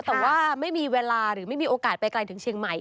แต่ว่าไม่มีเวลาหรือไม่มีโอกาสไปไกลถึงเชียงใหม่